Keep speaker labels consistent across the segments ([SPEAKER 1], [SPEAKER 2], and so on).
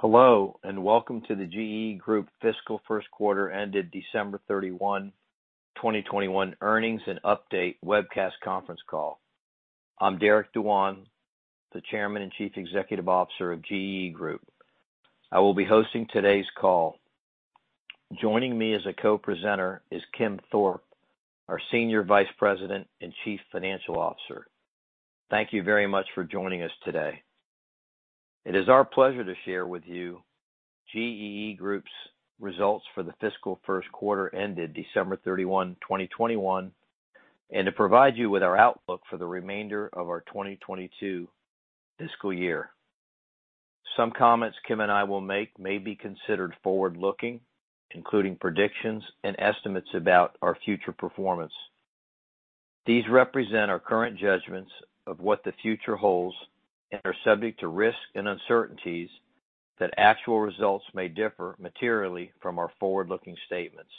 [SPEAKER 1] Hello, and welcome to the GEE Group Fiscal First Quarter ended December 31, 2021 Earnings and Update Webcast Conference Call. I'm Derek Dewan, the Chairman and Chief Executive Officer of GEE Group. I will be hosting today's call. Joining me as a co-presenter is Kim Thorpe, our Senior Vice President and Chief Financial Officer. Thank you very much for joining us today. It is our pleasure to share with you GEE Group's results for the fiscal first quarter ended December 31, 2021, and to provide you with our outlook for the remainder of our 2022 fiscal year. Some comments Kim and I will make may be considered forward-looking, including predictions and estimates about our future performance. These represent our current judgments of what the future holds and are subject to risks and uncertainties that actual results may differ materially from our forward-looking statements.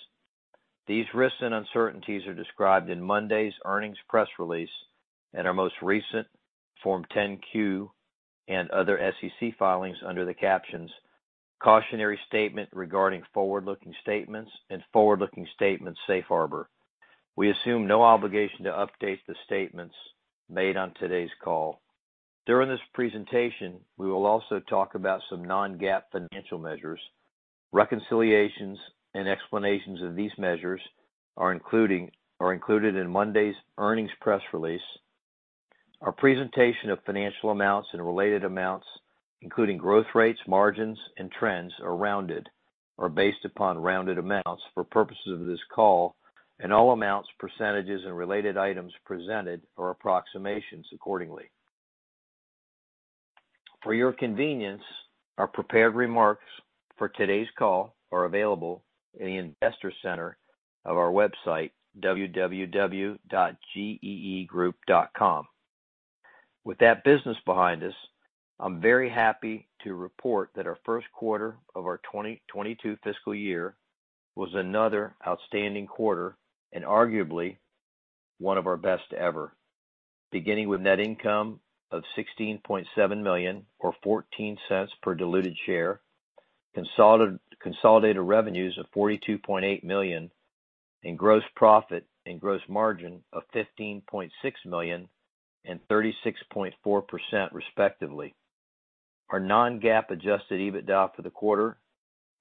[SPEAKER 1] These risks and uncertainties are described in Monday's earnings press release and our most recent Form 10-Q and other SEC filings under the captions "Cautionary Statement Regarding Forward-Looking Statements" and "Forward-Looking Statements Safe Harbor." We assume no obligation to update the statements made on today's call. During this presentation, we will also talk about some non-GAAP financial measures. Reconciliations and explanations of these measures are included in Monday's earnings press release. Our presentation of financial amounts and related amounts, including growth rates, margins, and trends, are rounded or based upon rounded amounts for purposes of this call, and all amounts, percentages, and related items presented are approximations accordingly. For your convenience, our prepared remarks for today's call are available in the investor center of our website, www.geegroup.com. With that business behind us, I'm very happy to report that our first quarter of our 2022 fiscal year was another outstanding quarter and arguably one of our best ever. Beginning with net income of $16.7 million or $0.14 per diluted share, consolidated revenues of $42.8 million, and gross profit and gross margin of $15.6 million and 36.4% respectively. Our non-GAAP adjusted EBITDA for the quarter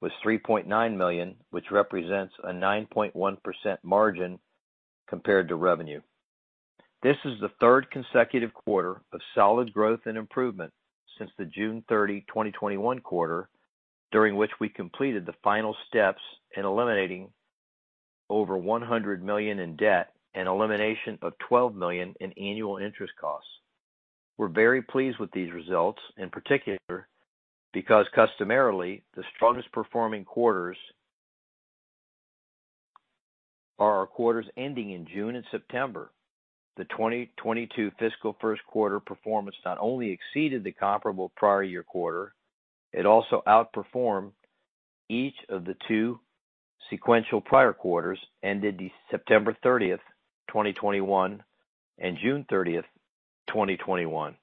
[SPEAKER 1] was $3.9 million, which represents a 9.1% margin compared to revenue. This is the third consecutive quarter of solid growth and improvement since the June 30, 2021 quarter, during which we completed the final steps in eliminating over $100 million in debt and elimination of $12 million in annual interest costs. We're very pleased with these results, in particular, because customarily, the strongest performing quarters are our quarters ending in June and September. The 2022 fiscal first quarter performance not only exceeded the comparable prior year quarter, it also outperformed each of the two sequential prior quarters ended September 30, 2021 and June 30, 2021.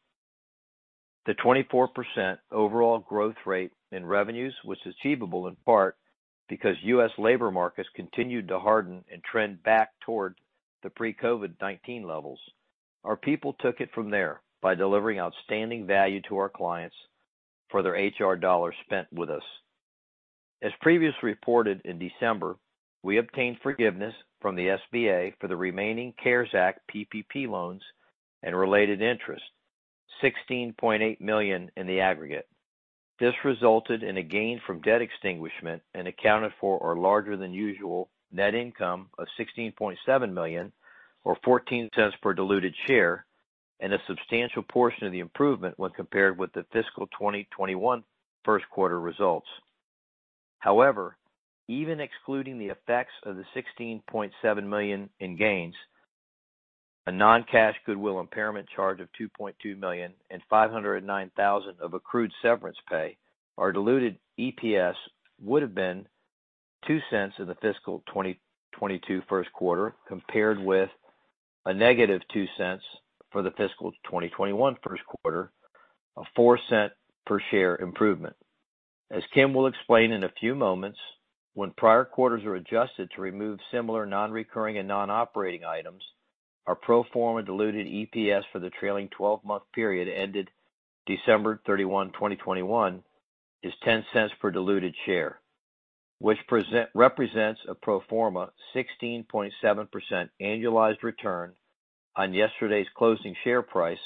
[SPEAKER 1] The 24% overall growth rate in revenues was achievable in part because U.S. labor markets continued to harden and trend back toward the pre-COVID-19 levels. Our people took it from there by delivering outstanding value to our clients for their HR dollars spent with us. As previously reported in December, we obtained forgiveness from the SBA for the remaining CARES Act PPP loans and related interest, $16.8 million in the aggregate. This resulted in a gain from debt extinguishment and accounted for our larger than usual net income of $16.7 million or $0.14 per diluted share, and a substantial portion of the improvement when compared with the fiscal 2021 first quarter results. However, even excluding the effects of the $16.7 million in gains, a non-cash goodwill impairment charge of $2.2 million and $509,000 of accrued severance pay, our diluted EPS would have been $0.02 in the fiscal 2022 first quarter, compared with -$0.02 for the fiscal 2021 first quarter, a $0.04 per share improvement. As Kim will explain in a few moments, when prior quarters are adjusted to remove similar non-recurring and non-operating items, our pro forma diluted EPS for the trailing-twelve-month period ended December 31, 2021 is $0.10 per diluted share, which represents a pro forma 16.7% annualized return on yesterday's closing share price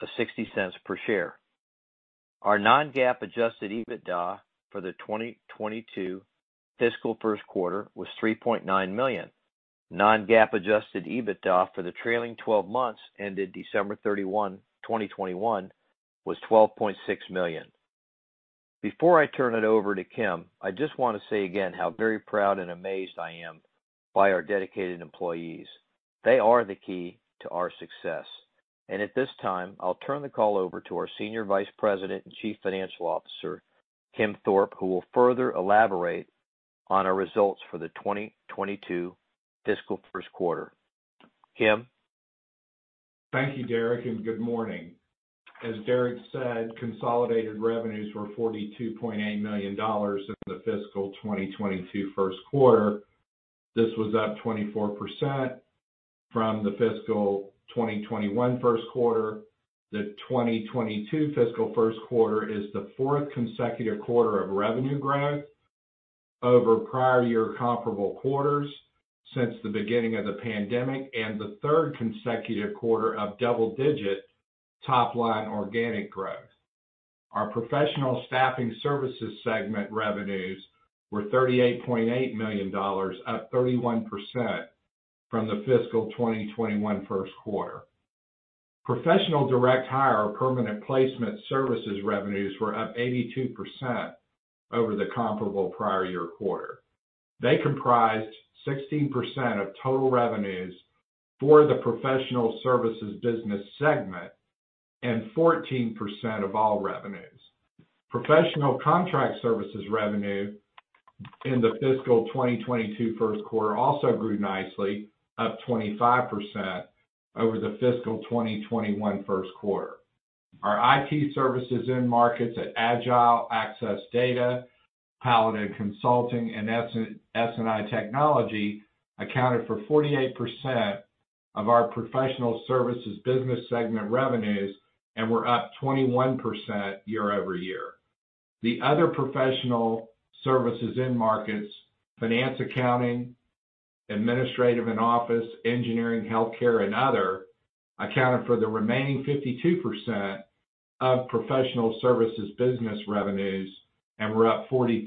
[SPEAKER 1] of $0.60 per share. Our non-GAAP adjusted EBITDA for the 2022 fiscal first quarter was $3.9 million. Non-GAAP adjusted EBITDA for the trailing twelve months ended December 31, 2021 was $12.6 million. Before I turn it over to Kim, I just want to say again how very proud and amazed I am by our dedicated employees. They are the key to our success. At this time, I'll turn the call over to our Senior Vice President and Chief Financial Officer, Kim Thorpe, who will further elaborate on our results for the 2022 fiscal first quarter. Kim?
[SPEAKER 2] Thank you, Derek, and good morning. As Derek said, consolidated revenues were $42.8 million in the fiscal 2022 first quarter. This was up 24% from the fiscal 2021 first quarter. The 2022 fiscal first quarter is the fourth consecutive quarter of revenue growth over prior year comparable quarters since the beginning of the pandemic, and the third consecutive quarter of double-digit top line organic growth. Our professional staffing services segment revenues were $38.8 million, up 31% from the fiscal 2021 first quarter. Professional direct hire permanent placement services revenues were up 82% over the comparable prior year quarter. They comprised 16% of total revenues for the professional services business segment and 14% of all revenues. Professional contract services revenue in the fiscal 2022 first quarter also grew nicely, up 25% over the fiscal 2021 first quarter. Our IT services end markets at Agile, Access Data, Paladin Consulting, and SNI Technology accounted for 48% of our professional services business segment revenues and were up 21% year-over-year. The other professional services end markets, finance, accounting, administrative and office, engineering, healthcare, and other accounted for the remaining 52% of professional services business revenues and were up 43%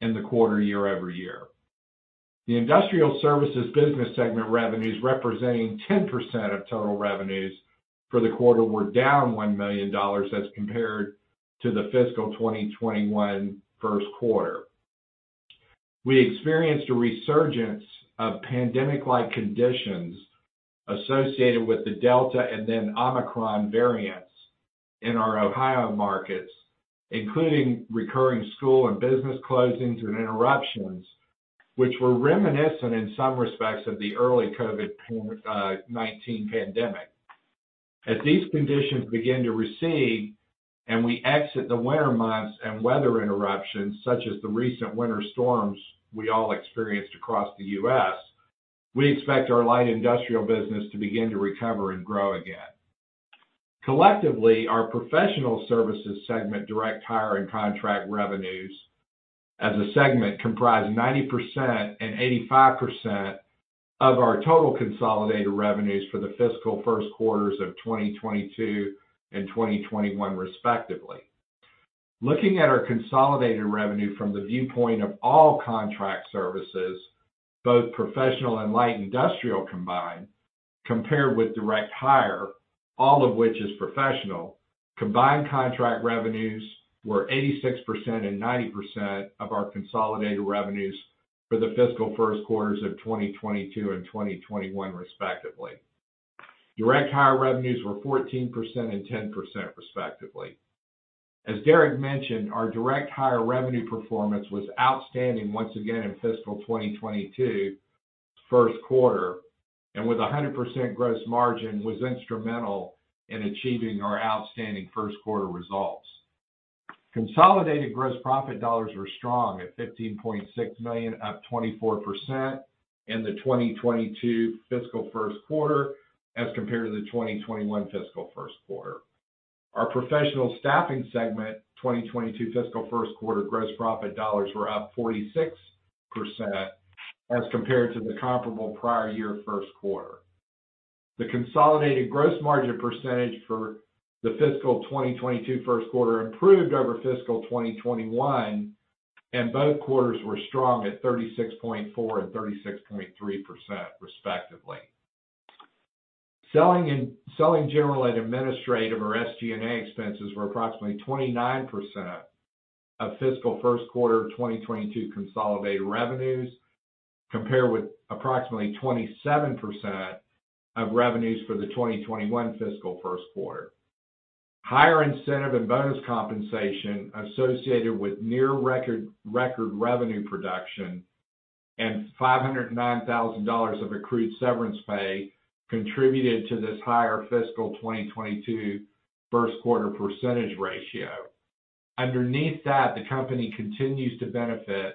[SPEAKER 2] in the quarter year-over-year. The industrial services business segment revenues representing 10% of total revenues for the quarter were down $1 million as compared to the fiscal 2021 first quarter. We experienced a resurgence of pandemic-like conditions associated with the Delta and then Omicron variants in our Ohio markets, including recurring school and business closings and interruptions, which were reminiscent in some respects of the early COVID-19 pandemic. As these conditions begin to recede, and we exit the winter months and weather interruptions such as the recent winter storms we all experienced across the U.S., we expect our light industrial business to begin to recover and grow again. Collectively, our professional services segment direct hire and contract revenues as a segment comprised 90% and 85% of our total consolidated revenues for the fiscal first quarters of 2022 and 2021 respectively. Looking at our consolidated revenue from the viewpoint of all contract services, both professional and light industrial combined, compared with direct hire, all of which is professional, combined contract revenues were 86% and 90% of our consolidated revenues for the fiscal first quarters of 2022 and 2021 respectively. Direct hire revenues were 14% and 10% respectively. As Derek mentioned, our direct hire revenue performance was outstanding once again in fiscal 2022 first quarter, and with a 100% gross margin was instrumental in achieving our outstanding first quarter results. Consolidated gross profit dollars were strong at $15.6 million, up 24% in the 2022 fiscal first quarter as compared to the 2021 fiscal first quarter. Our Professional Staffing segment 2022 fiscal first quarter gross profit dollars were up 46% as compared to the comparable prior year first quarter. The consolidated gross margin percentage for the fiscal 2022 first quarter improved over fiscal 2021, and both quarters were strong at 36.4% and 36.3% respectively. Selling, general, and administrative or SG&A expenses were approximately 29% of fiscal first quarter of 2022 consolidated revenues, compared with approximately 27% of revenues for the 2021 fiscal first quarter. Higher incentive and bonus compensation associated with record revenue production and $509,000 of accrued severance pay contributed to this higher fiscal 2022 first quarter percentage ratio. Underneath that, the company continues to benefit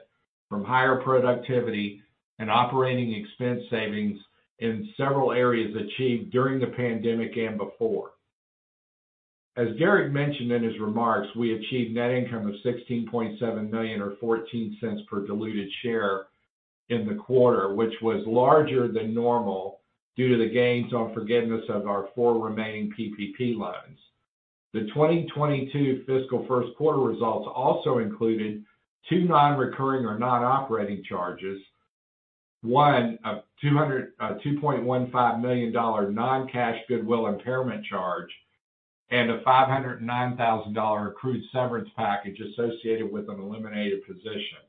[SPEAKER 2] from higher productivity and operating expense savings in several areas achieved during the pandemic and before. As Derek mentioned in his remarks, we achieved net income of $16.7 million or $0.14 per diluted share in the quarter, which was larger than normal due to the gains on forgiveness of our four remaining PPP loans. The 2022 fiscal first quarter results also included two non-recurring or non-operating charges. One, a $2.15 million non-cash goodwill impairment charge, and a $509,000 accrued severance package associated with an eliminated position.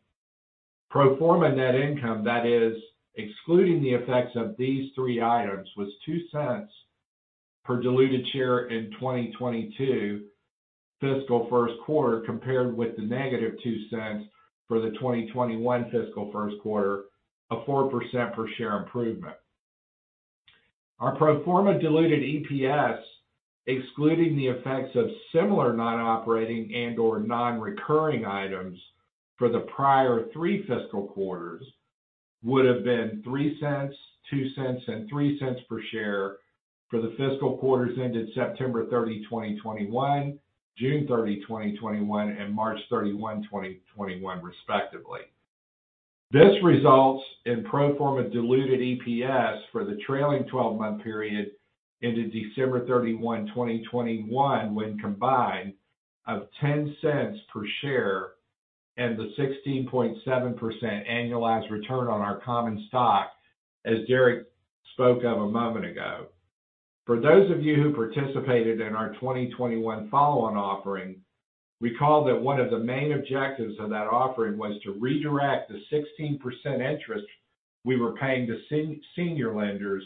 [SPEAKER 2] Pro forma net income that is excluding the effects of these three items was $0.02 per diluted share in 2022 fiscal first quarter compared with the negative $0.02 for the 2021 fiscal first quarter, a 4% per share improvement. Our pro forma diluted EPS, excluding the effects of similar non-operating and/or non-recurring items for the prior three fiscal quarters, would have been $0.03, $0.02, and $0.03 per share for the fiscal quarters ended September 30, 2021, June 30, 2021, and March 31, 2021, respectively. This results in pro forma diluted EPS for the trailing twelve-month period into December 31, 2021, when combined of 10 cents per share and the 16.7% annualized return on our common stock, as Derek spoke of a moment ago. For those of you who participated in our 2021 follow-on offering, recall that one of the main objectives of that offering was to redirect the 16% interest we were paying to senior lenders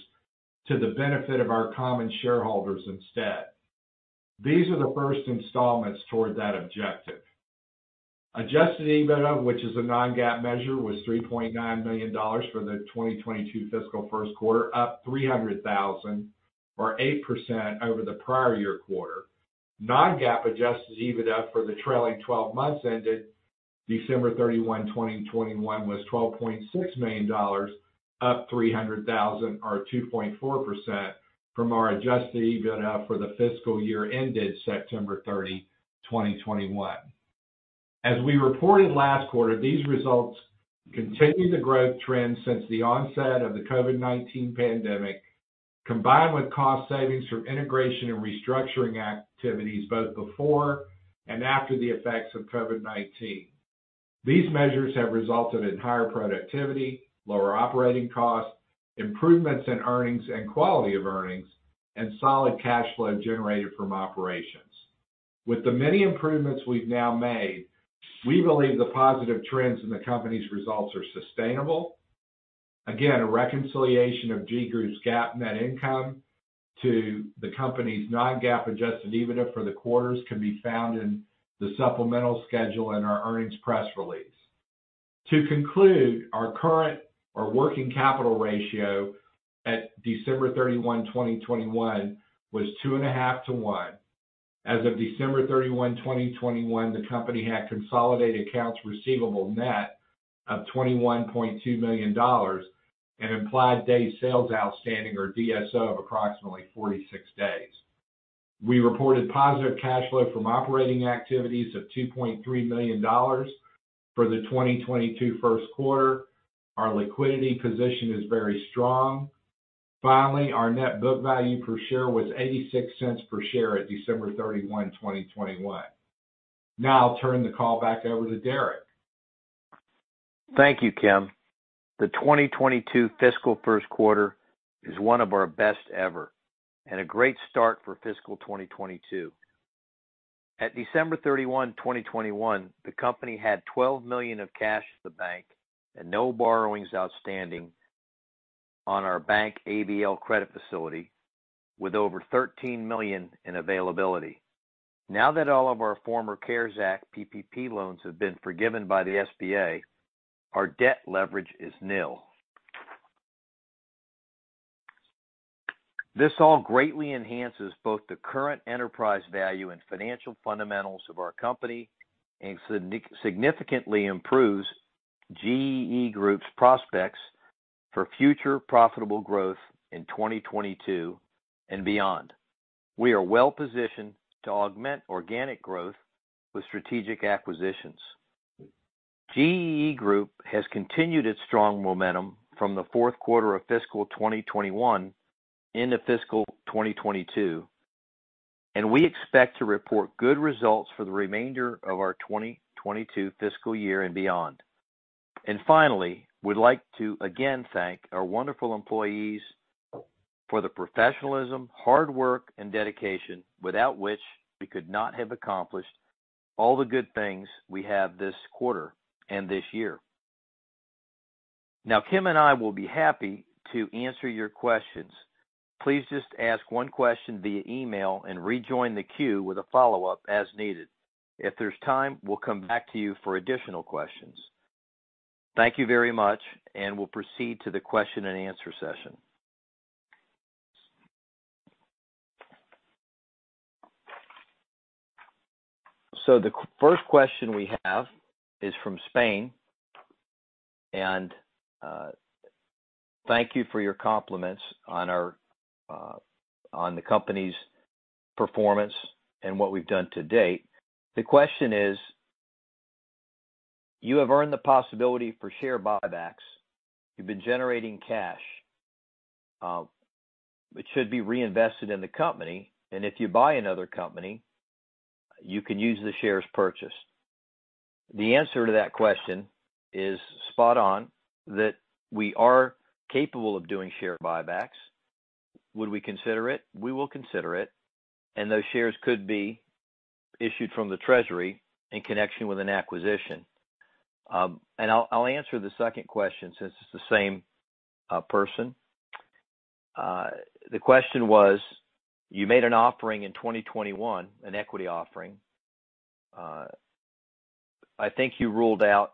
[SPEAKER 2] to the benefit of our common shareholders instead. These are the first installments toward that objective. Adjusted EBITDA, which is a non-GAAP measure, was $3.9 million for the 2022 fiscal first quarter, up $300,000 or 8% over the prior year quarter. Non-GAAP adjusted EBITDA for the trailing twelve months ended December 31, 2021, was $12.6 million, up $300,000 or 2.4% from our adjusted EBITDA for the fiscal year ended September 30, 2021. As we reported last quarter, these results continue the growth trend since the onset of the COVID-19 pandemic, combined with cost savings from integration and restructuring activities both before and after the effects of COVID-19. These measures have resulted in higher productivity, lower operating costs, improvements in earnings and quality of earnings, and solid cash flow generated from operations. With the many improvements we've now made, we believe the positive trends in the company's results are sustainable. Again, a reconciliation of GEE Group's GAAP net income to the company's non-GAAP adjusted EBITDA for the quarters can be found in the supplemental schedule in our earnings press release. To conclude, our current or working capital ratio at December 31, 2021, was two and a half to one. As of December 31, 2021, the company had consolidated accounts receivable net of $21.2 million and implied DSO of approximately 46 days. We reported positive cash flow from operating activities of $2.3 million for the 2022 first quarter. Our liquidity position is very strong. Finally, our net book value per share was $0.86 per share at December 31, 2021. Now I'll turn the call back over to Derek.
[SPEAKER 1] Thank you, Kim. The 2022 fiscal first quarter is one of our best ever and a great start for fiscal 2022. At December 31, 2021, the company had $12 million of cash at the bank and no borrowings outstanding on our bank ABL credit facility with over $13 million in availability. Now that all of our former CARES Act PPP loans have been forgiven by the SBA, our debt leverage is nil. This all greatly enhances both the current enterprise value and financial fundamentals of our company and significantly improves GEE Group's prospects for future profitable growth in 2022 and beyond. We are well-positioned to augment organic growth with strategic acquisitions. GEE Group has continued its strong momentum from the fourth quarter of fiscal 2021 into fiscal 2022, and we expect to report good results for the remainder of our 2022 fiscal year and beyond. Finally, we'd like to again thank our wonderful employees for the professionalism, hard work, and dedication without which we could not have accomplished all the good things we have this quarter and this year. Now, Kim and I will be happy to answer your questions. Please just ask one question via email and rejoin the queue with a follow-up as needed. If there's time, we'll come back to you for additional questions. Thank you very much, and we'll proceed to the question and answer session. The first question we have is from Spain. Thank you for your compliments on the company's performance and what we've done to date. The question is, you have earned the possibility for share buybacks. You've been generating cash, which should be reinvested in the company. If you buy another company, you can use the shares purchased. The answer to that question is spot on that we are capable of doing share buybacks. Would we consider it? We will consider it. Those shares could be issued from the treasury in connection with an acquisition. I'll answer the second question since it's the same person. The question was, you made an offering in 2021, an equity offering. I think you ruled out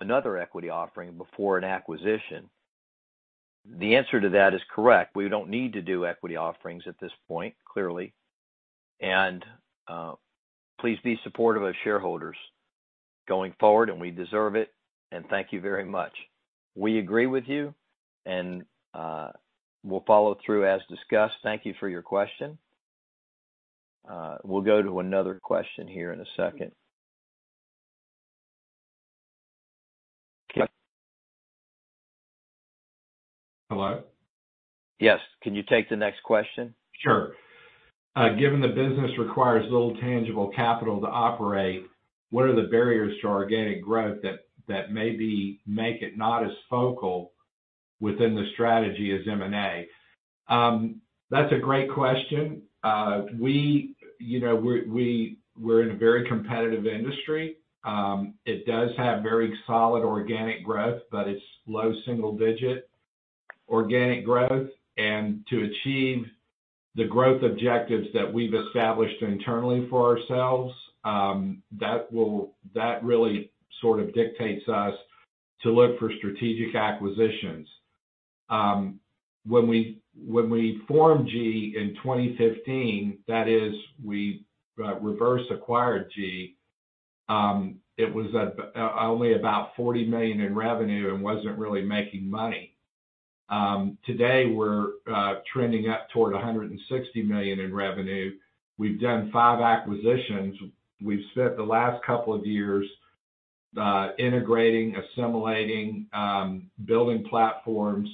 [SPEAKER 1] another equity offering before an acquisition. The answer to that is correct. We don't need to do equity offerings at this point, clearly. Please be supportive of shareholders going forward, and we deserve it. Thank you very much. We agree with you, and, we'll follow through as discussed. Thank you for your question. We'll go to another question here in a second. Kim?
[SPEAKER 2] Hello?
[SPEAKER 1] Yes. Can you take the next question?
[SPEAKER 2] Sure. Given the business requires little tangible capital to operate, what are the barriers to organic growth that maybe make it not as focal within the strategy as M&A? That's a great question. We, you know, we're in a very competitive industry. It does have very solid organic growth, but it's low single digit organic growth. To achieve the growth objectives that we've established internally for ourselves, that really sort of dictates us to look for strategic acquisitions. When we formed GEE Group in 2015, that is, we reverse acquired GEE Group, it was at only about $40 million in revenue and wasn't really making money. Today we're trending up toward $160 million in revenue. We've done five acquisitions. We've spent the last couple of years integrating, assimilating, building platforms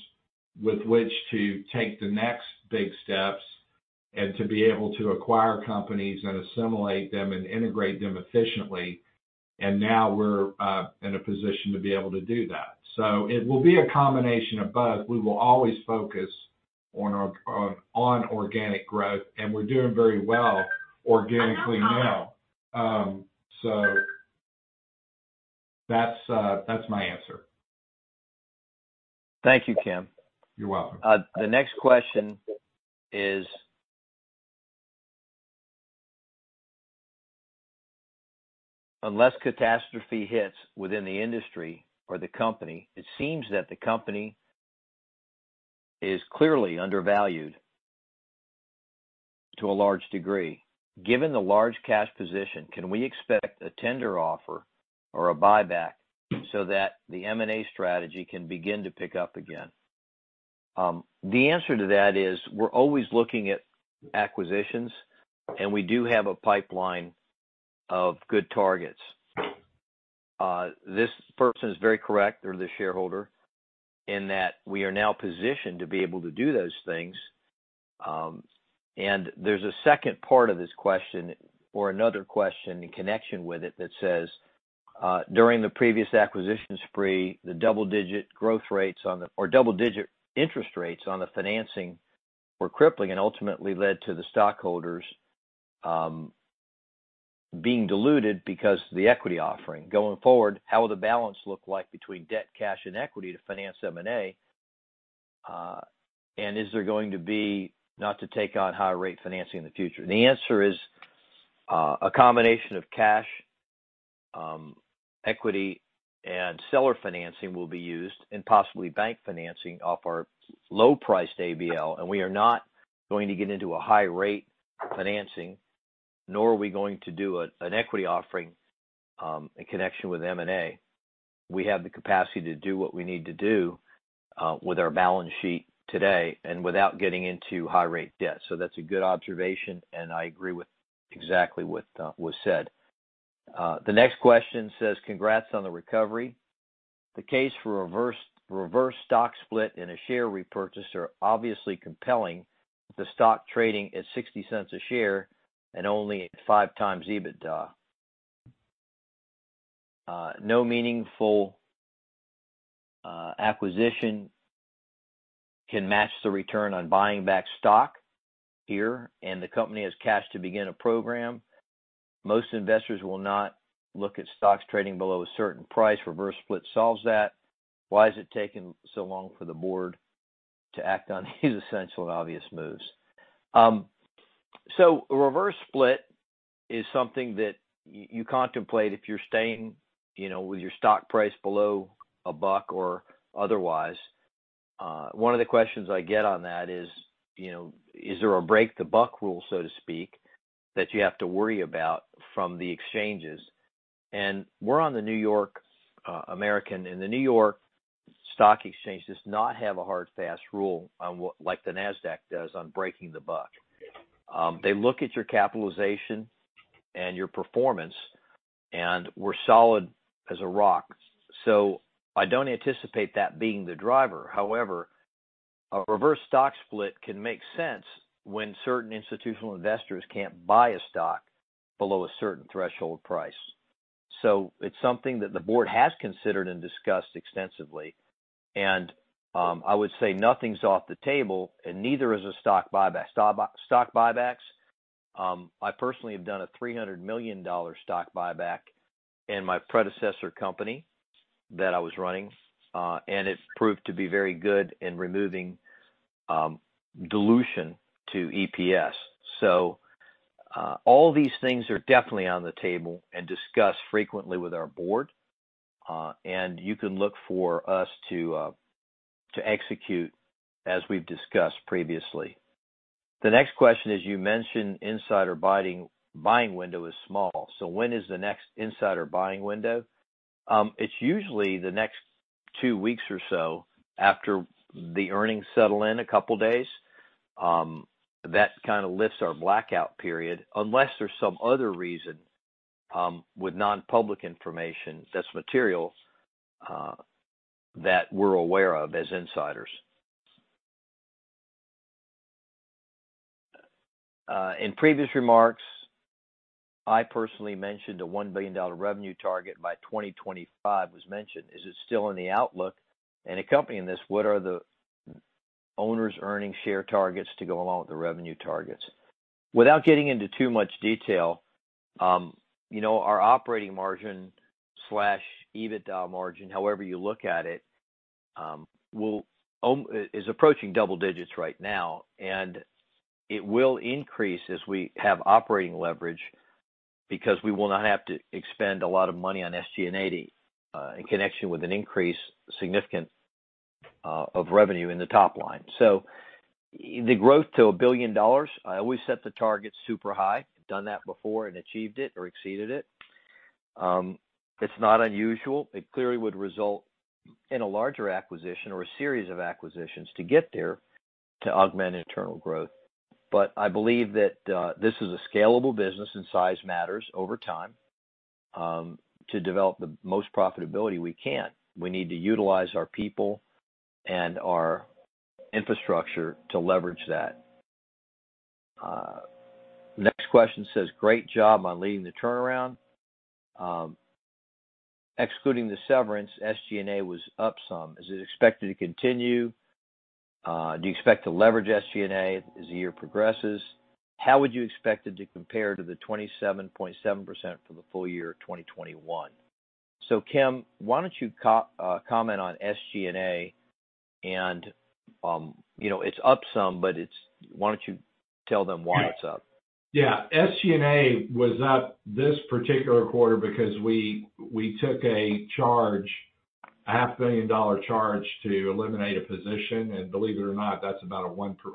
[SPEAKER 2] with which to take the next big steps and to be able to acquire companies and assimilate them and integrate them efficiently. Now we're in a position to be able to do that. It will be a combination of both. We will always focus on organic growth, and we're doing very well organically now. That's my answer.
[SPEAKER 1] Thank you, Kim.
[SPEAKER 2] You're welcome.
[SPEAKER 1] The next question is, unless catastrophe hits within the industry or the company, it seems that the company is clearly undervalued to a large degree. Given the large cash position, can we expect a tender offer or a buyback so that the M&A strategy can begin to pick up again? The answer to that is, we're always looking at acquisitions, and we do have a pipeline of good targets. This person is very correct or the shareholder in that we are now positioned to be able to do those things. There's a second part of this question or another question in connection with it that says, during the previous acquisition spree, the double-digit interest rates on the financing were crippling and ultimately led to the stockholders being diluted because the equity offering. Going forward, how will the balance look like between debt, cash, and equity to finance M&A? And is there going to be not to take on higher rate financing in the future? The answer is, a combination of cash, equity, and seller financing will be used and possibly bank financing off our low-priced ABL. We are not going to get into a high rate financing, nor are we going to do an equity offering, in connection with M&A. We have the capacity to do what we need to do, with our balance sheet today and without getting into high rate debt. That's a good observation, and I agree with exactly what was said. The next question says, congrats on the recovery. The case for reverse stock split and a share repurchase are obviously compelling with the stock trading at $0.60 a share and only at 5x EBITDA. No meaningful acquisition can match the return on buying back stock here, and the company has cash to begin a program. Most investors will not look at stocks trading below a certain price. Reverse split solves that. Why has it taken so long for the board to act on these essential and obvious moves? A reverse split is something that you contemplate if you're staying, you know, with your stock price below a buck or otherwise. One of the questions I get on that is, you know, is there a break the buck rule, so to speak, that you have to worry about from the exchanges? We're on the NYSE American, and the New York Stock Exchange does not have a hard-and-fast rule on what like the Nasdaq does on breaking the buck. They look at your capitalization and your performance, and we're solid as a rock. I don't anticipate that being the driver. However, a reverse stock split can make sense when certain institutional investors can't buy a stock below a certain threshold price. It's something that the board has considered and discussed extensively. I would say nothing's off the table and neither is a stock buyback. I personally have done a $300 million stock buyback in my predecessor company that I was running, and it proved to be very good in removing dilution to EPS. All these things are definitely on the table and discussed frequently with our board. You can look for us to execute as we've discussed previously. The next question is, you mentioned insider buying window is small, so when is the next insider buying window? It's usually the next two weeks or so after the earnings settle in a couple days. That kind of lifts our blackout period unless there's some other reason with non-public information that's material that we're aware of as insiders. In previous remarks, I personally mentioned a $1 billion revenue target by 2025 was mentioned. Is it still in the outlook? Accompanying this, what are the owners' earnings share targets to go along with the revenue targets? Without getting into too much detail, you know, our operating margin/EBITDA margin, however you look at it, is approaching double digits right now, and it will increase as we have operating leverage because we will not have to expend a lot of money on SG&A in connection with a significant increase of revenue in the top line. The growth to $1 billion, I always set the target super high. I've done that before and achieved it or exceeded it. It's not unusual. It clearly would result in a larger acquisition or a series of acquisitions to get there to augment internal growth. I believe that this is a scalable business and size matters over time to develop the most profitability we can. We need to utilize our people and our infrastructure to leverage that. Next question says, great job on leading the turnaround. Excluding the severance, SG&A was up some. Is it expected to continue? Do you expect to leverage SG&A as the year progresses? How would you expect it to compare to the 27.7% for the full year of 2021? Kim, why don't you comment on SG&A and, you know, it's up some. Why don't you tell them why it's up?
[SPEAKER 2] Yeah. SG&A was up this particular quarter because we took a charge, a $500,000 charge to eliminate a position. Believe it or not, that's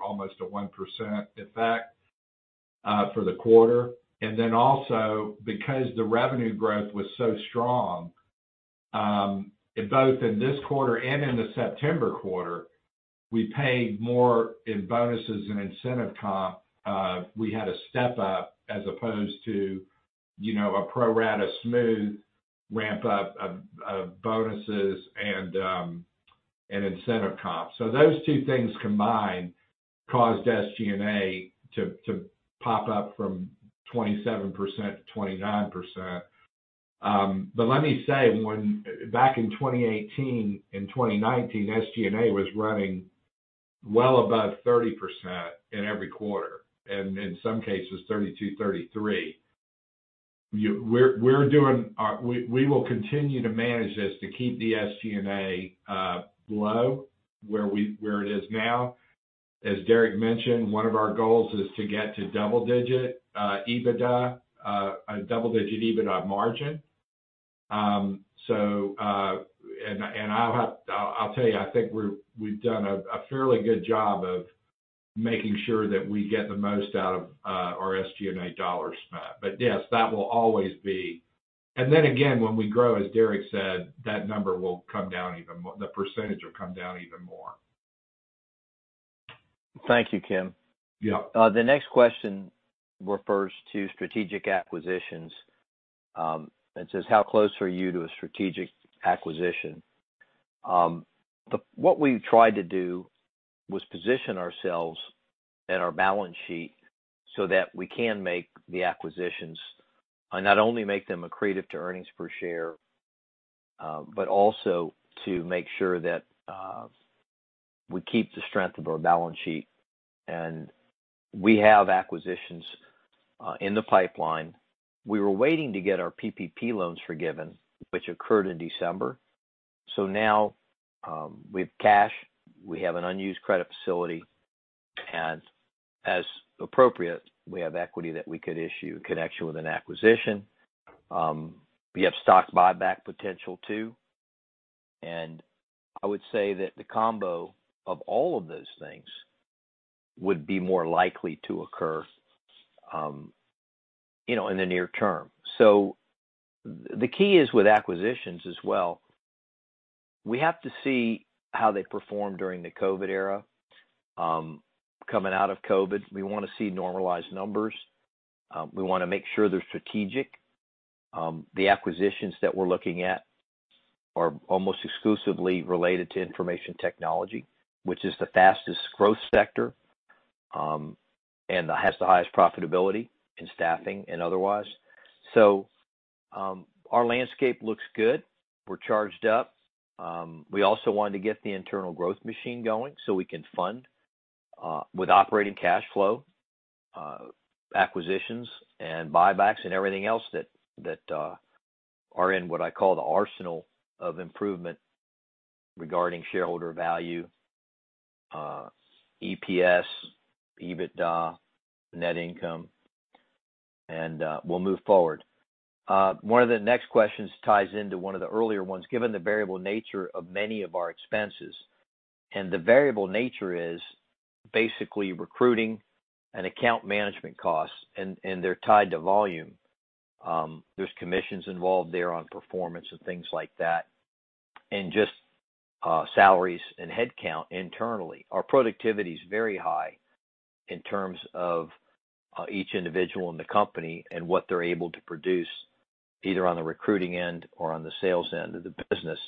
[SPEAKER 2] almost a 1% effect for the quarter. Then also because the revenue growth was so strong both in this quarter and in the September quarter, we paid more in bonuses and incentive comp. We had a step up as opposed to, you know, a pro rata smooth ramp up of bonuses and incentive comp. Those two things combined caused SG&A to pop up from 27% to 29%. Let me say, back in 2018 and 2019, SG&A was running well above 30% in every quarter, and in some cases, 32%, 33%. We're doing our... We will continue to manage this to keep the SG&A low where it is now. As Derek mentioned, one of our goals is to get to double-digit EBITDA, a double-digit EBITDA margin. I'll tell you, I think we've done a fairly good job of making sure that we get the most out of our SG&A dollars spent. Yes, that will always be. When we grow, as Derek said, that number will come down even more. The percentage will come down even more.
[SPEAKER 1] Thank you, Kim.
[SPEAKER 2] Yeah.
[SPEAKER 1] The next question refers to strategic acquisitions and says, how close are you to a strategic acquisition? What we've tried to do was position ourselves and our balance sheet so that we can make the acquisitions and not only make them accretive to earnings per share, but also to make sure that we keep the strength of our balance sheet. We have acquisitions in the pipeline. We were waiting to get our PPP loans forgiven, which occurred in December. Now, we have cash, we have an unused credit facility, and as appropriate, we have equity that we could issue in connection with an acquisition. We have stock buyback potential too. I would say that the combo of all of those things would be more likely to occur, you know, in the near term. The key is with acquisitions as well, we have to see how they perform during the COVID era. Coming out of COVID, we want to see normalized numbers. We want to make sure they're strategic. The acquisitions that we're looking at are almost exclusively related to information technology, which is the fastest growth sector, and has the highest profitability in staffing and otherwise. Our landscape looks good. We're charged up. We also wanted to get the internal growth machine going so we can fund with operating cash flow acquisitions and buybacks and everything else that are in what I call the arsenal of improvement regarding shareholder value, EPS, EBITDA, net income, and we'll move forward. One of the next questions ties into one of the earlier ones, given the variable nature of many of our expenses, and the variable nature is basically recruiting and account management costs, and they're tied to volume. There's commissions involved there on performance and things like that, and just salaries and headcount internally. Our productivity is very high in terms of each individual in the company and what they're able to produce either on the recruiting end or on the sales end of the business.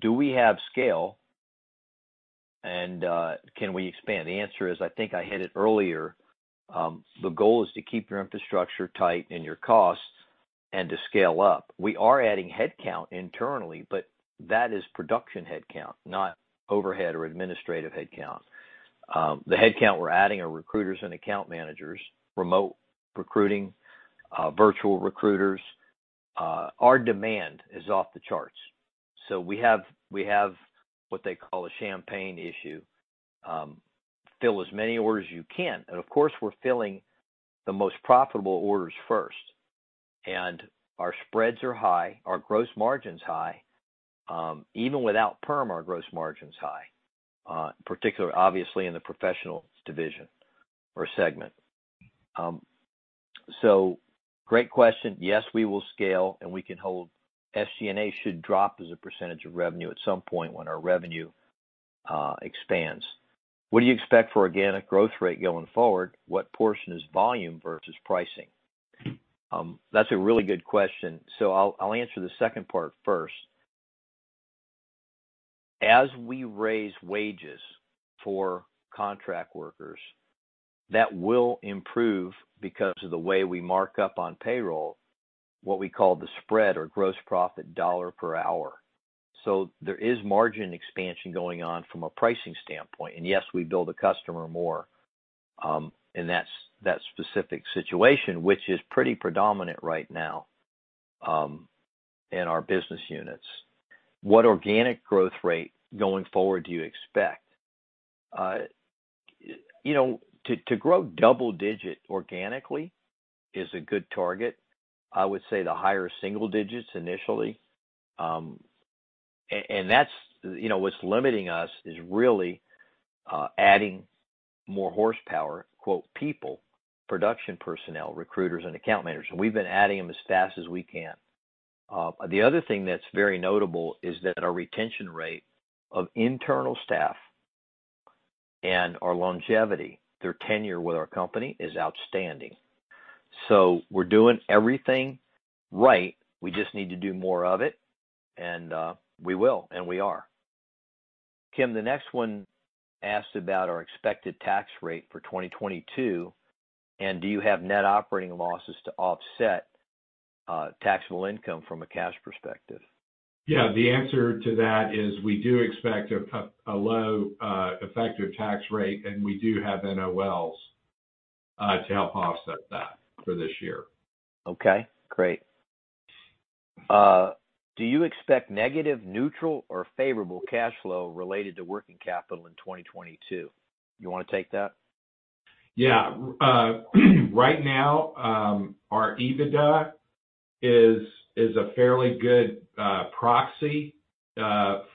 [SPEAKER 1] Do we have scale and can we expand? The answer is, I think I hit it earlier, the goal is to keep your infrastructure tight and your costs and to scale up. We are adding headcount internally, but that is production headcount, not overhead or administrative headcount. The headcount we're adding are recruiters and account managers, remote recruiting, virtual recruiters. Our demand is off the charts. We have what they call a champagne issue, fill as many orders you can. Of course, we're filling the most profitable orders first. Our spreads are high, our gross margin's high. Even without perm, our gross margin's high, particularly obviously in the professional division or segment. Great question. Yes, we will scale, and we can hold. SG&A should drop as a percentage of revenue at some point when our revenue expands. What do you expect for organic growth rate going forward? What portion is volume versus pricing? That's a really good question. I'll answer the second part first. As we raise wages for contract workers, that will improve because of the way we mark up on payroll, what we call the spread or gross profit dollar per hour. There is margin expansion going on from a pricing standpoint. Yes, we bill a customer more in that specific situation, which is pretty predominant right now in our business units. What organic growth rate going forward do you expect? You know, to grow double-digit organically is a good target. I would say the higher single digits initially. And that's you know, what's limiting us is really adding more horsepower, quote, "people," production personnel, recruiters, and account managers. We've been adding them as fast as we can. The other thing that's very notable is that our retention rate of internal staff and our longevity, their tenure with our company is outstanding. We're doing everything right. We just need to do more of it, and we will, and we are. Kim, the next one asks about our expected tax rate for 2022. Do you have net operating losses to offset taxable income from a cash perspective?
[SPEAKER 2] Yeah. The answer to that is we do expect a low effective tax rate, and we do have NOLs to help offset that for this year.
[SPEAKER 1] Okay, great. Do you expect negative, neutral, or favorable cash flow related to working capital in 2022? You want to take that?
[SPEAKER 2] Yeah. Right now, our EBITDA is a fairly good proxy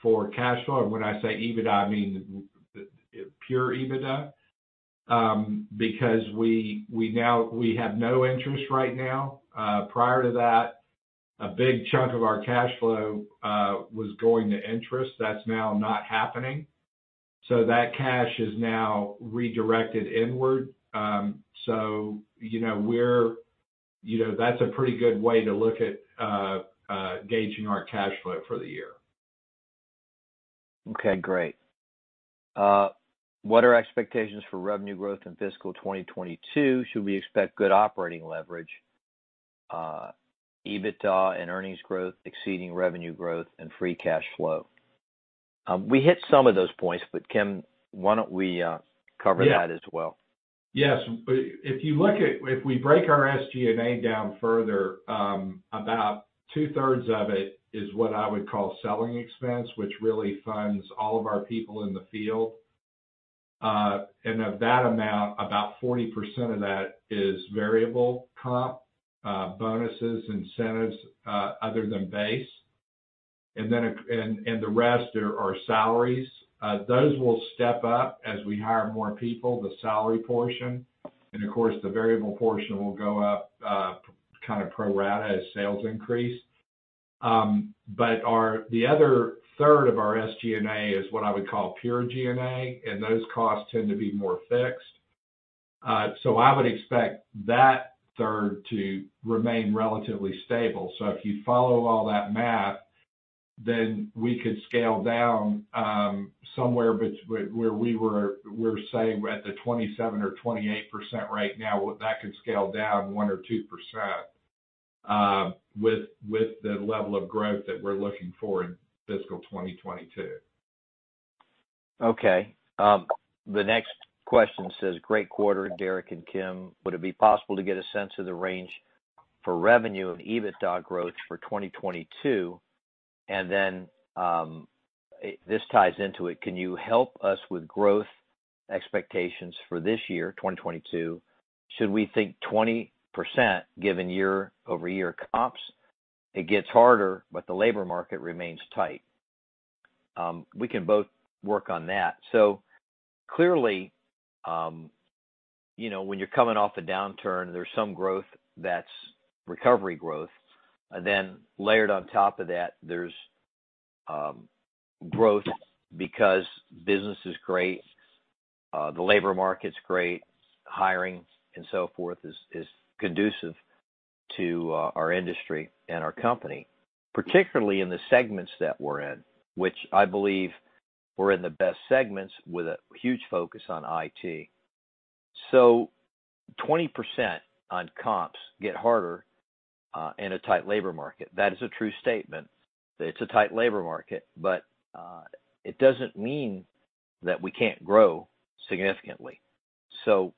[SPEAKER 2] for cash flow. When I say EBITDA, I mean pure EBITDA, because we have no interest right now. Prior to that, a big chunk of our cash flow was going to interest. That's now not happening. That cash is now redirected inward. You know, that's a pretty good way to look at gauging our cash flow for the year.
[SPEAKER 1] Okay, great. What are expectations for revenue growth in fiscal 2022? Should we expect good operating leverage, EBITDA and earnings growth exceeding revenue growth and free cash flow? We hit some of those points, but Kim, why don't we cover that as well?
[SPEAKER 2] Yes. If we break our SG&A down further, about 2/3 of it is what I would call selling expense, which really funds all of our people in the field. Of that amount, about 40% of that is variable comp, bonuses, incentives, other than base. The rest are salaries. Those will step up as we hire more people, the salary portion. Of course, the variable portion will go up kind of pro rata as sales increase. The other third of our SG&A is what I would call pure G&A, and those costs tend to be more fixed. I would expect that third to remain relatively stable. If you follow all that math, then we could scale down somewhere between where we were. We're saying we're at the 27% or 28% right now. Well, that could scale down 1% or 2%, with the level of growth that we're looking for in fiscal 2022.
[SPEAKER 1] Okay. The next question says, "Great quarter, Derek and Kim. Would it be possible to get a sense of the range for revenue and EBITDA growth for 2022?" This ties into it. "Can you help us with growth expectations for this year, 2022? Should we think 20% given year-over-year comps? It gets harder, but the labor market remains tight." We can both work on that. Clearly, you know, when you're coming off a downturn, there's some growth that's recovery growth. Layered on top of that, there's growth because business is great, the labor market's great, hiring and so forth is conducive to our industry and our company, particularly in the segments that we're in, which I believe we're in the best segments with a huge focus on IT. 20% on comps get harder in a tight labor market. That is a true statement. It's a tight labor market, but it doesn't mean that we can't grow significantly. 20%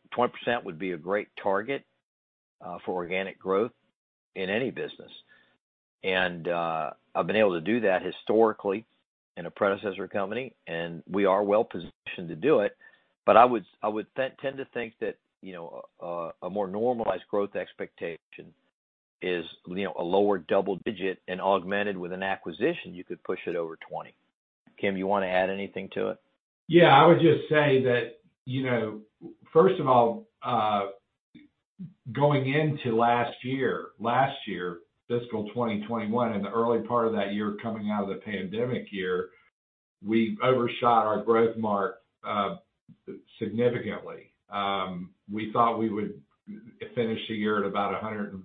[SPEAKER 1] would be a great target for organic growth in any business. I've been able to do that historically in a predecessor company, and we are well-positioned to do it. I would tend to think that, you know, a more normalized growth expectation is, you know, a lower double digit, and augmented with an acquisition, you could push it over 20. Kim, you want to add anything to it?
[SPEAKER 2] Yeah, I would just say that, you know, first of all, going into last year, fiscal 2021, and the early part of that year coming out of the pandemic year, we overshot our growth mark significantly. We thought we would finish the year at about $139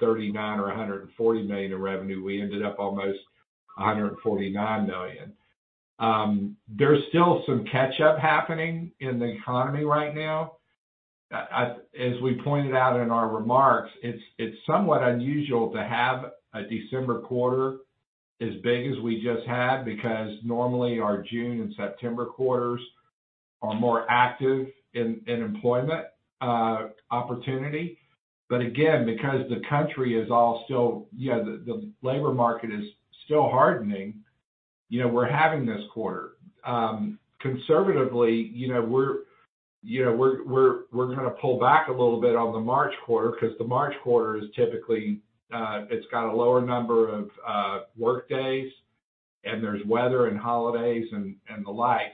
[SPEAKER 2] million or $140 million in revenue. We ended up almost $149 million. There's still some catch-up happening in the economy right now. As we pointed out in our remarks, it's somewhat unusual to have a December quarter as big as we just had, because normally our June and September quarters are more active in employment opportunity. But again, because the country is all still you know, the labor market is still hardening, you know, we're having this quarter. Conservatively, you know, we're going to pull back a little bit on the March quarter because the March quarter is typically, it's got a lower number of work days, and there's weather and holidays and the like.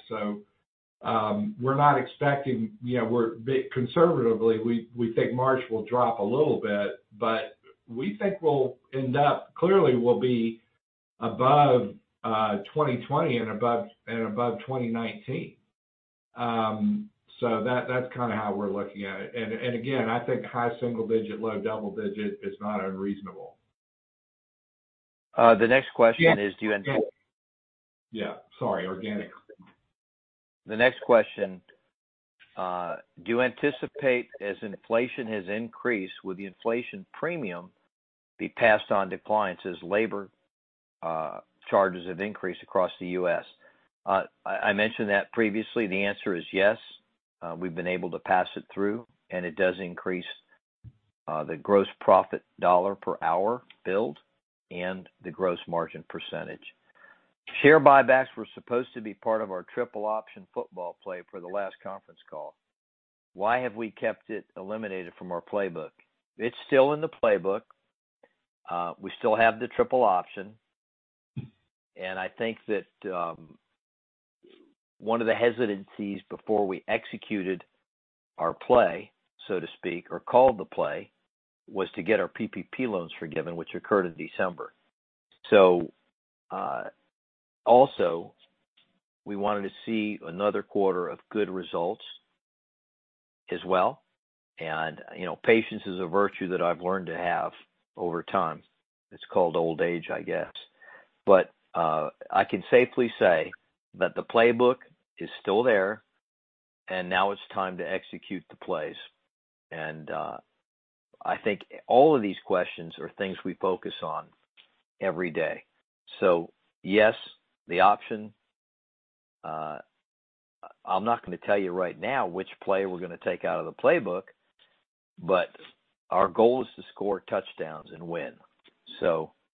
[SPEAKER 2] We're not expecting you know, conservatively, we think March will drop a little bit, but we think we'll end up clearly we'll be above 2020 and above 2019. So that's kind of how we're looking at it. Again, I think high single digit, low double digit is not unreasonable.
[SPEAKER 1] The next question is, do you-
[SPEAKER 2] Yeah. Sorry. Organic.
[SPEAKER 1] The next question. Do you anticipate, as inflation has increased, will the inflation premium be passed on to clients as labor charges have increased across the U.S.? I mentioned that previously. The answer is yes. We've been able to pass it through, and it does increase the gross profit dollar per hour billed and the gross margin percentage. Share buybacks were supposed to be part of our triple option football play for the last conference call. Why have we kept it eliminated from our playbook? It's still in the playbook. We still have the triple option. I think that one of the hesitancies before we executed our play, so to speak, or called the play, was to get our PPP loans forgiven, which occurred in December. Also, we wanted to see another quarter of good results as well. You know, patience is a virtue that I've learned to have over time. It's called old age, I guess. I can safely say that the playbook is still there, and now it's time to execute the plays. I think all of these questions are things we focus on every day. Yes, the option, I'm not going to tell you right now which play we're going to take out of the playbook, but our goal is to score touchdowns and win.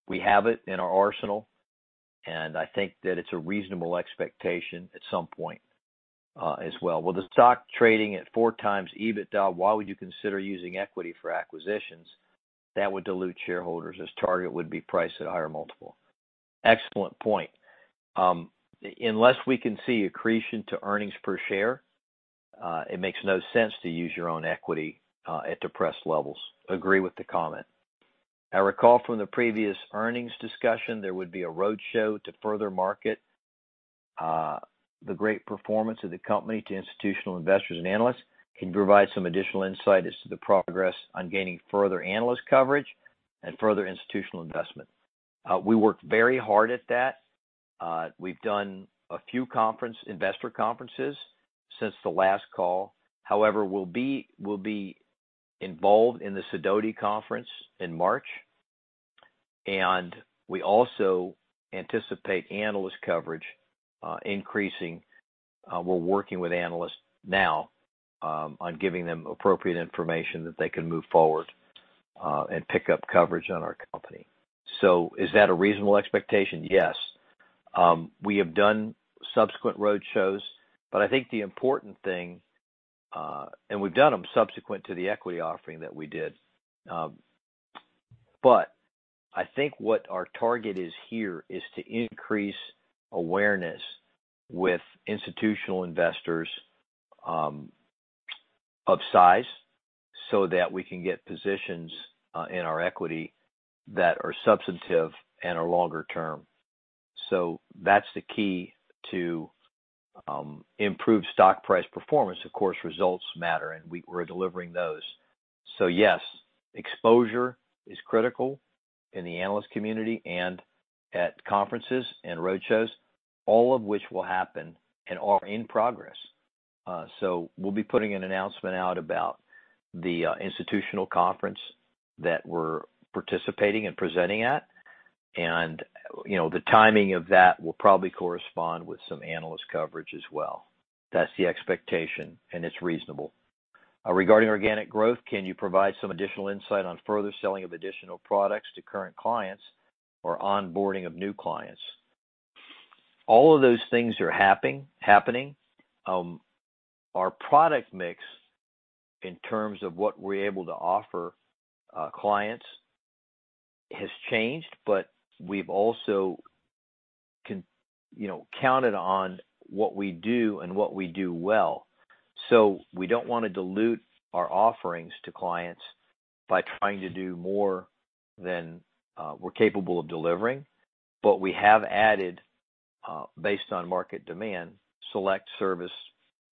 [SPEAKER 1] We have it in our arsenal, and I think that it's a reasonable expectation at some point, as well. With the stock trading at 4x EBITDA, why would you consider using equity for acquisitions? That would dilute shareholders as Target would be priced at a higher multiple. Excellent point. Unless we can see accretion to earnings per share, it makes no sense to use your own equity at depressed levels. Agree with the comment. I recall from the previous earnings discussion, there would be a roadshow to further market the great performance of the company to institutional investors and analysts. Can you provide some additional insight as to the progress on gaining further analyst coverage and further institutional investment? We worked very hard at that. We've done a few investor conferences since the last call. However, we'll be involved in the Sidoti conference in March, and we also anticipate analyst coverage increasing. We're working with analysts now on giving them appropriate information that they can move forward and pick up coverage on our company. Is that a reasonable expectation? Yes. We have done subsequent roadshows, but I think the important thing, and we've done them subsequent to the equity offering that we did. But I think what our target is here is to increase awareness with institutional investors of size so that we can get positions in our equity that are substantive and are longer term. That's the key to improve stock price performance. Of course, results matter, and we're delivering those. Yes, exposure is critical in the analyst community and at conferences and roadshows, all of which will happen and are in progress. We'll be putting an announcement out about the institutional conference that we're participating and presenting at. You know, the timing of that will probably correspond with some analyst coverage as well. That's the expectation, and it's reasonable. Regarding organic growth, can you provide some additional insight on further selling of additional products to current clients or onboarding of new clients? All of those things are happening. Our product mix in terms of what we're able to offer clients has changed, but we've also you know, counted on what we do and what we do well. We don't want to dilute our offerings to clients by trying to do more than we're capable of delivering. We have added, based on market demand, select service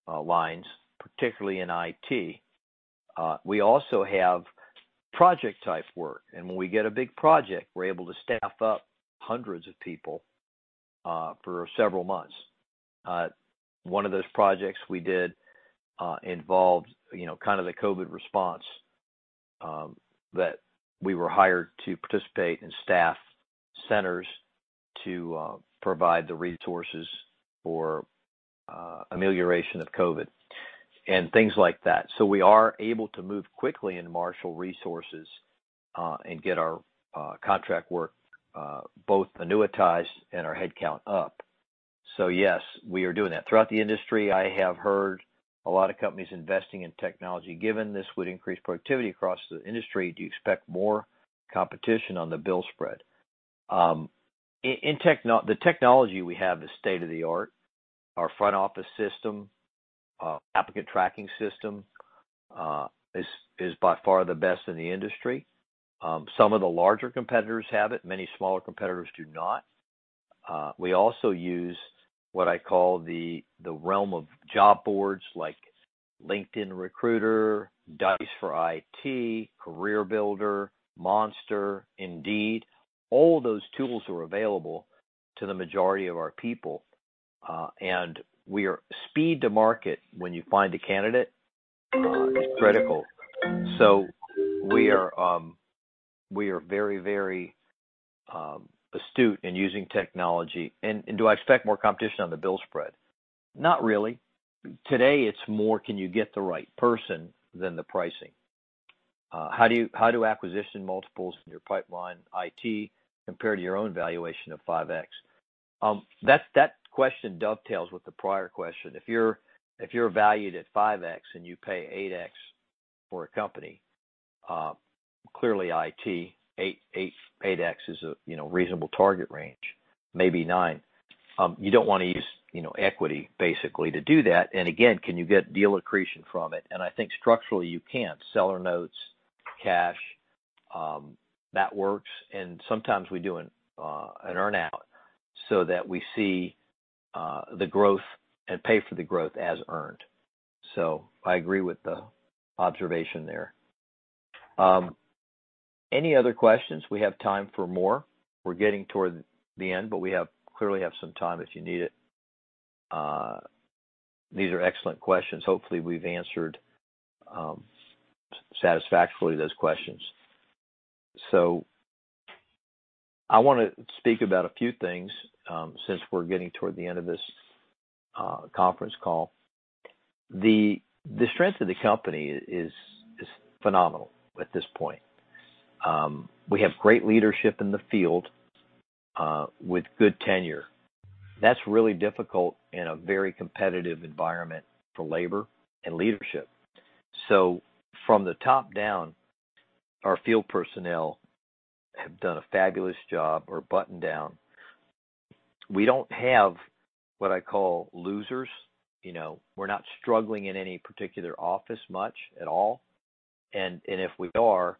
[SPEAKER 1] lines, particularly in IT. We also have project-type work, and when we get a big project, we're able to staff up hundreds of people for several months. One of those projects we did involved, you know, kind of the COVID response that we were hired to participate and staff centers to provide the resources for amelioration of COVID and things like that. We are able to move quickly and marshal resources and get our contract work both annualized and our head count up. Yes, we are doing that. Throughout the industry, I have heard a lot of companies investing in technology. Given this would increase productivity across the industry, do you expect more competition on the bill spread? The technology we have is state-of-the-art. Our front office system, applicant tracking system, is by far the best in the industry. Some of the larger competitors have it. Many smaller competitors do not. We also use what I call the realm of job boards like LinkedIn Recruiter, Dice for IT, CareerBuilder, Monster, Indeed. All those tools are available to the majority of our people. We are speed to market when you find a candidate is critical. So we are very astute in using technology. Do I expect more competition on the bill spread? Not really. Today it's more can you get the right person than the pricing. How do acquisition multiples in your pipeline IT compare to your own valuation of 5x? That question dovetails with the prior question. If you're valued at 5x and you pay 8x for a company, clearly IT, 8x is a reasonable target range, maybe 9x. You don't want to use, you know, equity basically to do that. Again, can you get deal accretion from it? I think structurally you can't. Seller notes, cash, that works. Sometimes we do an earn out so that we see the growth and pay for the growth as earned. I agree with the observation there. Any other questions? We have time for more. We're getting toward the end, but we clearly have some time if you need it. These are excellent questions. Hopefully, we've answered satisfactorily those questions. I want to speak about a few things since we're getting toward the end of this conference call. The strength of the company is phenomenal at this point. We have great leadership in the field with good tenure. That's really difficult in a very competitive environment for labor and leadership. From the top down, our field personnel have done a fabulous job. We're buttoned down. We don't have what I call losers. You know, we're not struggling in any particular office much at all. If we are,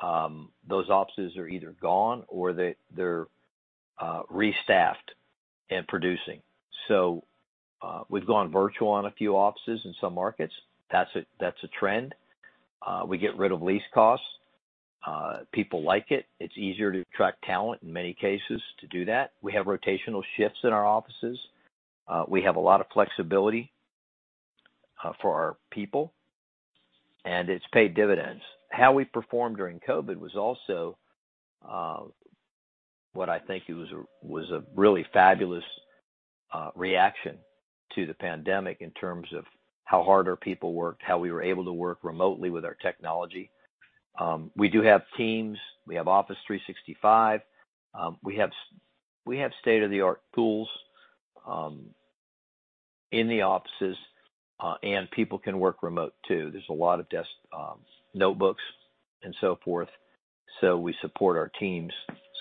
[SPEAKER 1] those offices are either gone or they're restaffed and producing. We've gone virtual on a few offices in some markets. That's a trend. We get rid of lease costs. People like it. It's easier to attract talent in many cases to do that. We have rotational shifts in our offices. We have a lot of flexibility for our people, and it's paid dividends. How we performed during COVID was also what I think it was a really fabulous reaction to the pandemic in terms of how hard our people worked, how we were able to work remotely with our technology. We do have Teams. We have Office 365. We have state-of-the-art tools in the offices, and people can work remote too. There's a lot of desktops, notebooks and so forth. We support our teams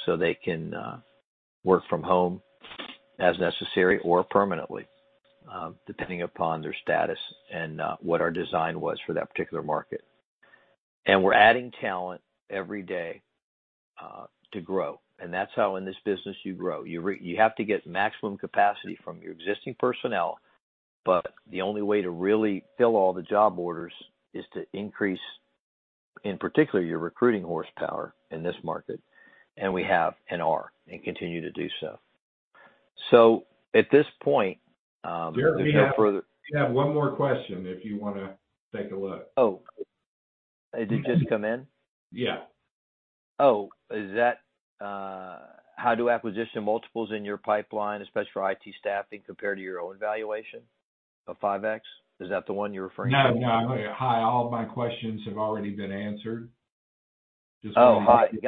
[SPEAKER 1] so they can work from home as necessary or permanently, depending upon their status and what our design was for that particular market. We're adding talent every day to grow. That's how in this business you grow. You have to get maximum capacity from your existing personnel, but the only way to really fill all the job orders is to increase, in particular, your recruiting horsepower in this market, and we have and are, and continue to do so. At this point, if there are no further-
[SPEAKER 2] We have one more question if you want to take a look.
[SPEAKER 1] Oh, did it just come in?
[SPEAKER 2] Yeah.
[SPEAKER 1] Oh, is that, how do acquisition multiples in your pipeline, especially for IT staffing, compare to your own valuation of 5x? Is that the one you're referring to?
[SPEAKER 2] No, no. Hi, all of my questions have already been answered. Just wanted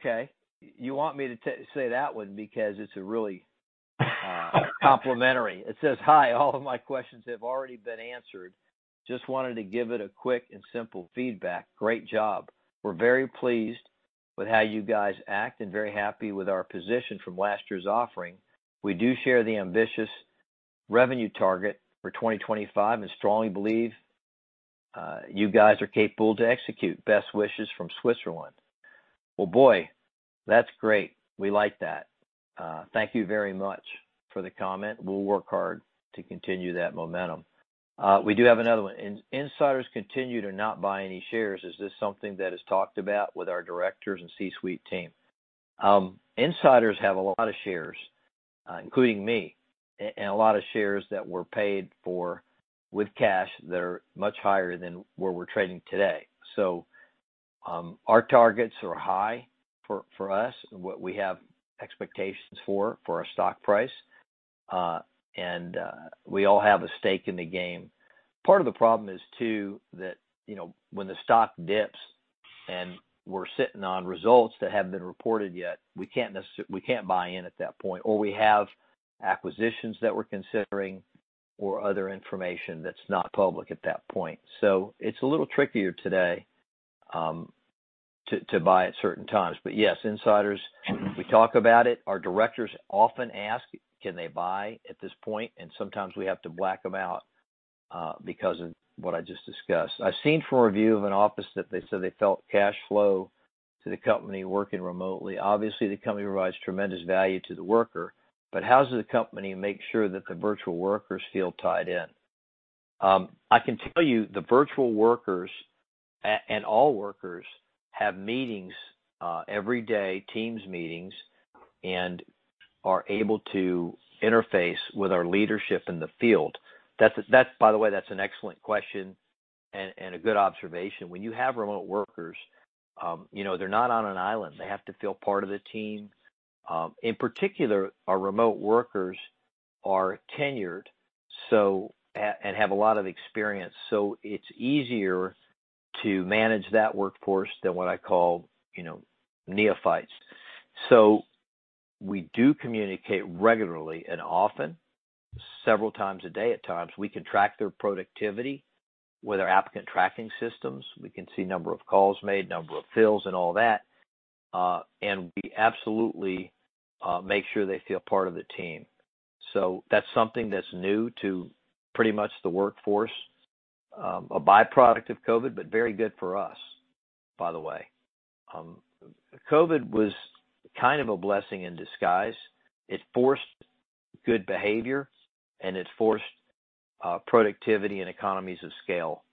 [SPEAKER 2] to.
[SPEAKER 1] You want me to say that one because it's a really complimentary. It says, "Hi, all of my questions have already been answered. Just wanted to give it a quick and simple feedback. Great job. We're very pleased with how you guys act and very happy with our position from last year's offering. We do share the ambitious revenue target for 2025 and strongly believe you guys are capable to execute. Best wishes from Switzerland." Well, boy, that's great. We like that. Thank you very much for the comment. We'll work hard to continue that momentum. We do have another one. Insiders continue to not buy any shares. Is this something that is talked about with our directors and C-suite team? Insiders have a lot of shares, including me, and a lot of shares that were paid for with cash that are much higher than where we're trading today. Our targets are high for us, what we have expectations for our stock price. We all have a stake in the game. Part of the problem is too that, you know, when the stock dips and we're sitting on results that haven't been reported yet, we can't buy in at that point, or we have acquisitions that we're considering or other information that's not public at that point. It's a little trickier today to buy at certain times. Yes, insiders, we talk about it. Our directors often ask, can they buy at this point? Sometimes we have to black them out, because of what I just discussed. I've seen from a review of an office that they said they felt cash flow to the company working remotely. Obviously, the company provides tremendous value to the worker, but how does the company make sure that the virtual workers feel tied in? I can tell you the virtual workers, and all workers, have meetings, every day, Teams meetings, and are able to interface with our leadership in the field. That's. By the way, that's an excellent question and a good observation. When you have remote workers, you know, they're not on an island. They have to feel part of the team. In particular, our remote workers are tenured, and have a lot of experience, so it's easier to manage that workforce than what I call, you know, neophytes. We do communicate regularly and often, several times a day at times. We can track their productivity with our applicant tracking systems. We can see number of calls made, number of fills, and all that. We absolutely make sure they feel part of the team. That's something that's new to pretty much the workforce. A byproduct of COVID, but very good for us, by the way. COVID was kind of a blessing in disguise. It forced good behavior, and it forced productivity and economies of scale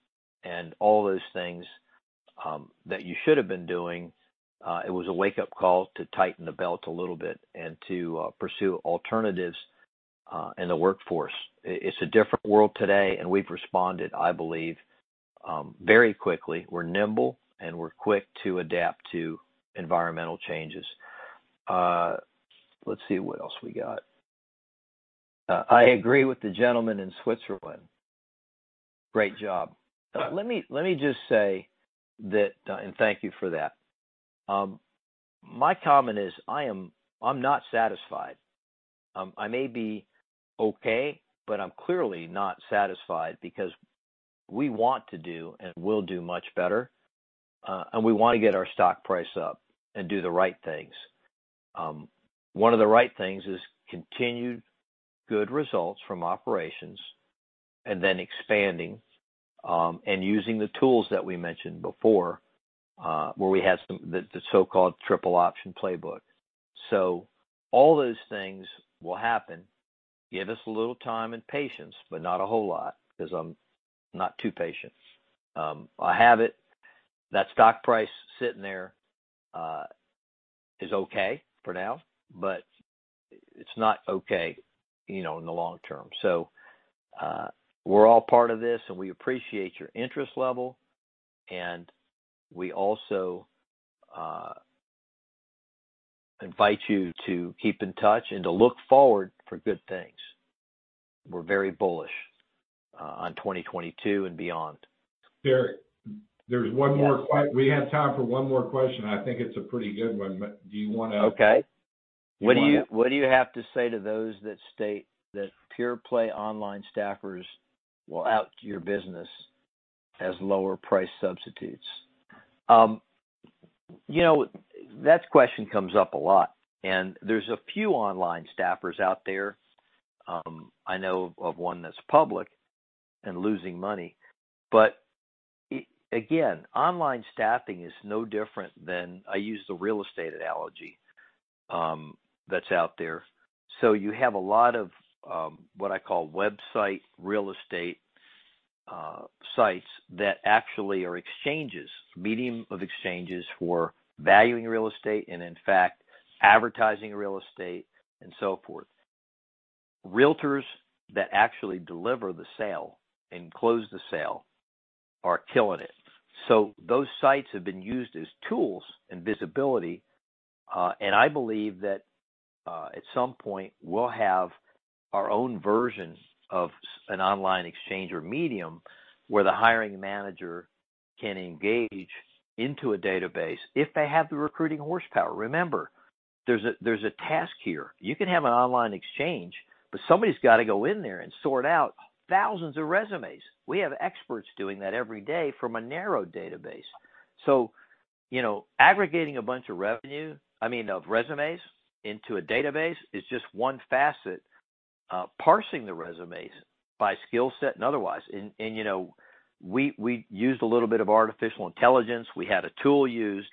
[SPEAKER 1] and all those things that you should have been doing. It was a wake-up call to tighten the belt a little bit and to pursue alternatives in the workforce. It's a different world today, and we've responded, I believe, very quickly. We're nimble, and we're quick to adapt to environmental changes. Let's see what else we got. I agree with the gentleman in Switzerland. Great job. Let me just say that, and thank you for that. My comment is I'm not satisfied. I may be okay, but I'm clearly not satisfied because we want to do and will do much better, and we want to get our stock price up and do the right things. One of the right things is continued good results from operations and then expanding, and using the tools that we mentioned before, where we had some The so-called triple option playbook. All those things will happen. Give us a little time and patience, but not a whole lot because I'm not too patient. I have it. That stock price sitting there is okay for now, but it's not okay, you know, in the long term. We're all part of this, and we appreciate your interest level, and we also invite you to keep in touch and to look forward for good things. We're very bullish on 2022 and beyond.
[SPEAKER 2] Derek, there's one more.
[SPEAKER 1] Yes.
[SPEAKER 2] We have time for one more question. I think it's a pretty good one. Do you want to-
[SPEAKER 1] Okay.
[SPEAKER 2] Do you want to-
[SPEAKER 1] What do you have to say to those that state that pure play online staffers will out your business as lower price substitutes? You know, that question comes up a lot, and there's a few online staffers out there. I know of one that's public and losing money. But again, online staffing is no different than I use the real estate analogy that's out there. You have a lot of what I call website real estate sites that actually are exchanges, medium of exchanges for valuing real estate and, in fact, advertising real estate and so forth. Realtors that actually deliver the sale and close the sale are killing it. Those sites have been used as tools and visibility, and I believe that at some point we'll have our own version of an online exchange or medium where the hiring manager can engage into a database if they have the recruiting horsepower. Remember, there's a task here. You can have an online exchange, but somebody's got to go in there and sort out thousands of resumes. We have experts doing that every day from a narrow database. You know, aggregating a bunch of resumes, I mean, into a database is just one facet. Parsing the resumes by skill set and otherwise, you know, we used a little bit of artificial intelligence. We had a tool used,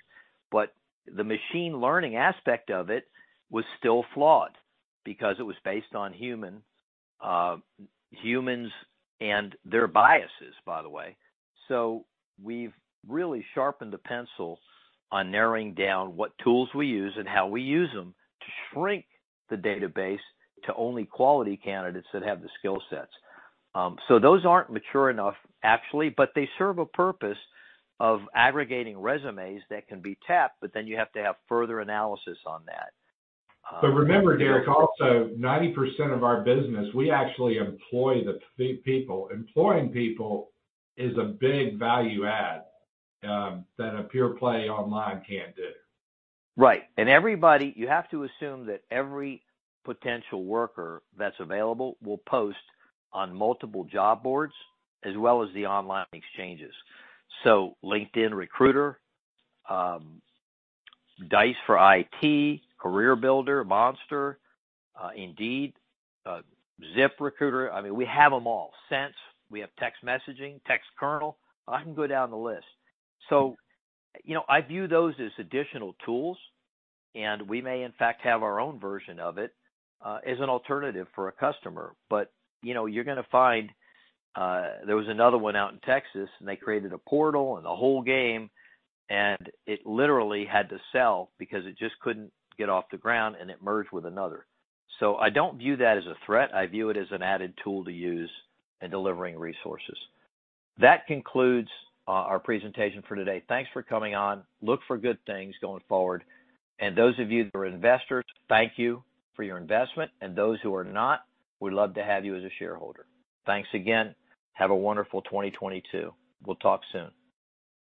[SPEAKER 1] but the machine learning aspect of it was still flawed because it was based on human humans and their biases, by the way. We've really sharpened the pencil on narrowing down what tools we use and how we use them to shrink the database to only quality candidates that have the skill sets. Those aren't mature enough actually, but they serve a purpose of aggregating resumes that can be tapped, but then you have to have further analysis on that.
[SPEAKER 2] Remember, Derek, also 90% of our business, we actually employ the people. Employing people is a big value add, that a pure play online can't do.
[SPEAKER 1] Right. Everybody, you have to assume that every potential worker that's available will post on multiple job boards as well as the online exchanges. LinkedIn Recruiter, Dice for IT, CareerBuilder, Monster, Indeed, ZipRecruiter. I mean, we have them all. Sense, we have text messaging, Textkernel. I can go down the list. You know, I view those as additional tools, and we may in fact have our own version of it as an alternative for a customer. You know, you're going to find there was another one out in Texas, and they created a portal and a whole game, and it literally had to sell because it just couldn't get off the ground, and it merged with another. I don't view that as a threat. I view it as an added tool to use in delivering resources. That concludes our presentation for today. Thanks for coming on. Look for good things going forward. Those of you who are investors, thank you for your investment, and those who are not, we'd love to have you as a shareholder. Thanks again. Have a wonderful 2022. We'll talk soon.